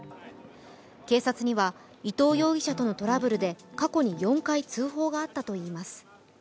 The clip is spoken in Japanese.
警察には伊藤容疑者とのトラブルで過去に４回通報があったということです。